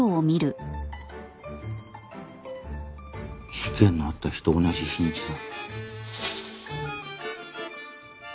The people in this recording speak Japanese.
事件のあった日と同じ日にちだ。